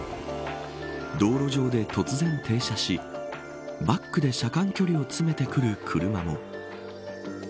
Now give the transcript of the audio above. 道路上で突然停車し、バックで車間距離を詰めてくる車も。